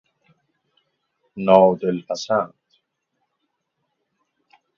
نادلپسند